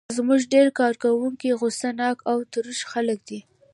زموږ ډېر کارکوونکي غوسه ناک او تروش خلک دي.